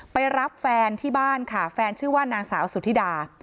ไปรับแฟนที่บ้านค่ะแฟนชื่อว่านางสาวสุธิดา